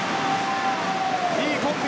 いいコンビ。